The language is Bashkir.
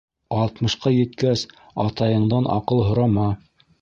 Алтмышҡа еткәс, атайыңдан аҡыл һорама.